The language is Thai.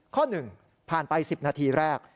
ข้อหนึ่งผ่านไป๑๐นาทีแรก